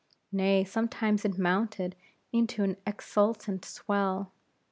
Nay, sometimes it mounted into an exultant swell.